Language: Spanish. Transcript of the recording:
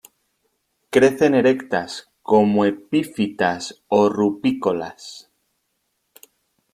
Crecen erectas, como epífitas o rupícolas.